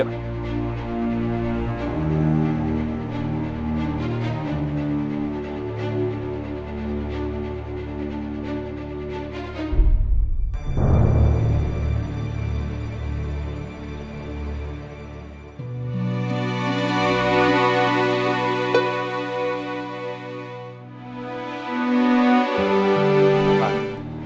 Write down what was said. wenteng biruan dan